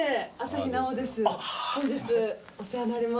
本日お世話になります